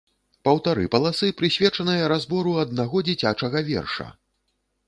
Паўтары паласы, прысвечаныя разбору аднаго дзіцячага верша!